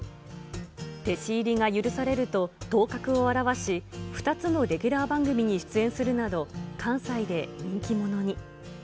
弟子入りが許されると頭角を現し、２つのレギュラー番組に出演するなど、関西で人気者に。